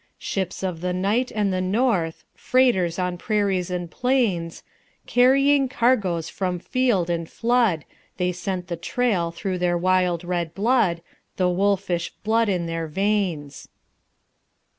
Ships of the night and the north, Freighters on prairies and plains, Carrying cargoes from field and flood They scent the trail through their wild red blood, The wolfish blood in their veins.